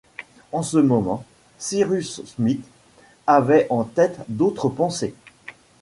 En ce moment, Cyrus Smith avait en tête d’autres pensées.